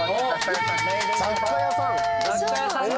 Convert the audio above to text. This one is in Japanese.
雑貨屋さんだ。